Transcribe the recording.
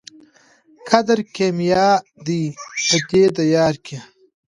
قدر کېمیا دی په دې دیار کي